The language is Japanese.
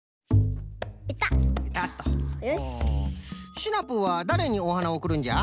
シナプーはだれにおはなをおくるんじゃ？